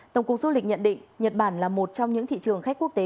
tổng cục du lịch nhận định nhật bản là một trong những thị trường khách quốc tế